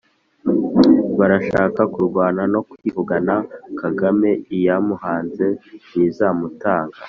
Barashaka kurwana No kwivugana Kagame, iyamuhanze ntizamutanga.